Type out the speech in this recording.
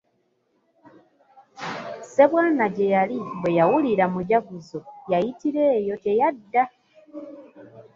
Ssebwana gye yali bwe yawulira mujaguzo, yayitira eyo teyadda.